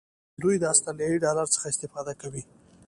دوی د آسترالیایي ډالر څخه استفاده کوي.